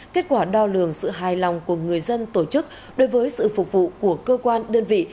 kết quả đo lường sự hài lòng của người dân tổ chức đối với sự phục vụ của cơ quan đơn vị